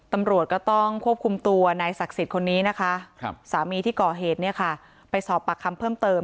ตำรวจก็ต้องควบคุมตัวนายศักดิ์สิทธิ์คนนี้นะคะสามีที่ก่อเหตุเนี่ยค่ะไปสอบปากคำเพิ่มเติม